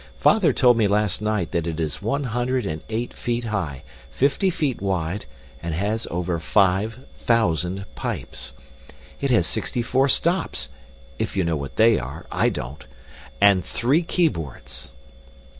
Father told me last night that it is one hundred and eight feet high, fifty feet wide, and has over five thousand pipes. It has sixty four stops if you know what they are, I don't and three keyboards."